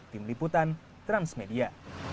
tim liputan transmedia